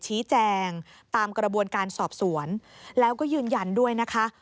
ชี้แจงตามกระบวนการสอบสวนแล้วก็ยืนยันด้วยนะคะ